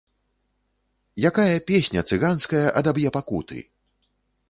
Якая песня цыганская адаб'е пакуты?